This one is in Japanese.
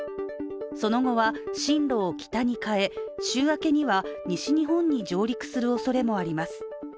その後は進路を北に変え、週明けには西日本に上陸するおそれもあります。